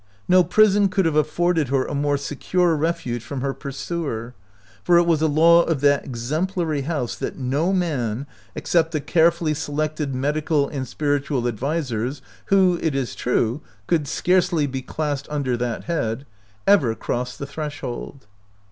No prison could have afforded her a more secure refuge from her pursuer, for it was a law of that exemplary house that no man — except the carefully selected medical 45 OUT OF BOHEMIA and spiritual advisers, who, it is true, could scarcely be classed under that head — ever crossed the threshold.